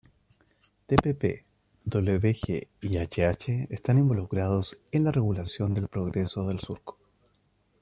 Dpp, Wg y hh están involucrados en la regulación del progreso del surco.